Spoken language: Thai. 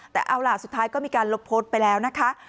แต่เอาล่ะสุดท้ายก็มีการลบโพสต์ไปแล้วนะคะ